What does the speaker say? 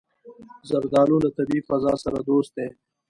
زردالو له طبیعي فضا سره دوست دی.